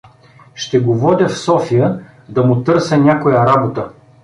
Ще го водя в София да му търся някоя работа.